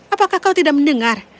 apakah kau tidak mendengar